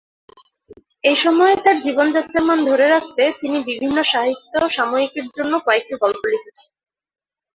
এই সময়ে তার জীবনযাত্রার মান ধরে রাখতে তিনি বিভিন্ন সাহিত্য সাময়িকীর জন্য কয়েকটি গল্প লিখেছেন।